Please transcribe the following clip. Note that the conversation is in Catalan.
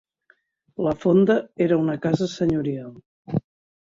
La fonda era una casa senyorial.